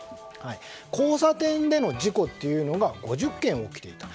交差点での事故っていうのが５０件起きていた。